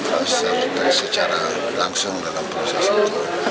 saya secara langsung dalam proses itu